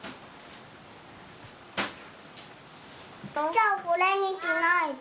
じゃあこれにしないで。